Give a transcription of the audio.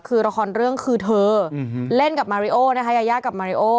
คือละครเรื่องคือเธอเล่นกับมาริโอนะคะยายากับมาริโอ